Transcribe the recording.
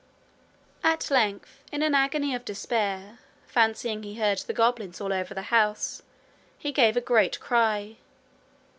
At length in an agony of despair, fancying he heard the goblins all over the house, he gave a great cry.